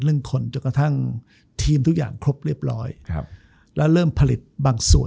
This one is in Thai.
คนจนกระทั่งทีมทุกอย่างครบเรียบร้อยครับแล้วเริ่มผลิตบางส่วน